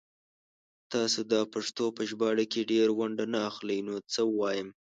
تاسو دا پښتو په ژباړه کې ډيره ونډه نه اخلئ نو څه ووايم